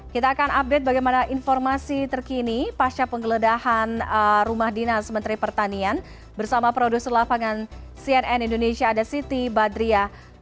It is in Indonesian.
kita akan update bagaimana informasi terkini pasca penggeledahan rumah dinas menteri pertanian bersama produser lapangan cnn indonesia ada siti badriah